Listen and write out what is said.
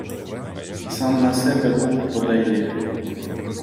Сам на себе бук подає!